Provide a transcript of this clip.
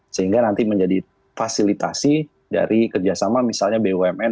sehingga nanti menjadi fasilitasi dari kerjasama misalnya bumn